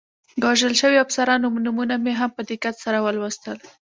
د وژل شویو افسرانو نومونه مې هم په دقت سره ولوستل.